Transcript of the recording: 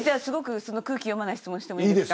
空気読まない質問をしてもいいですか。